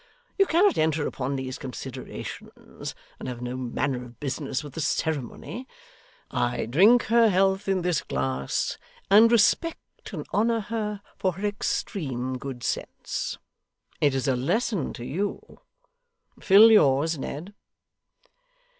You cannot enter upon these considerations, and have no manner of business with the ceremony. I drink her health in this glass, and respect and honour her for her extreme good sense. It is a lesson to you. Fill yours, Ned.